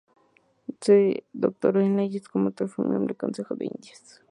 Se doctoró en Leyes y como tal fue miembro del Consejo de Indias.